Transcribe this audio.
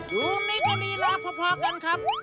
ฮู้ในนี้ดีละพอกันครับ